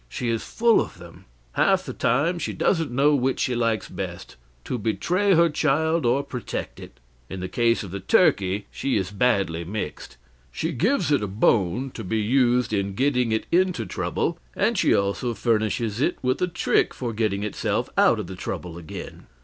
She is full of them; half the time she doesn't know which she likes best to betray her child or protect it. In the case of the turkey she is badly mixed: she gives it a bone to be used in getting it into trouble, and she also furnishes it with a trick for getting itself out of the trouble again.